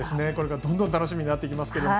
これからどんどん楽しみになっていきます。